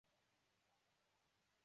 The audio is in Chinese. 他认为自己是一家之主